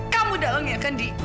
kamu dah lengir kan di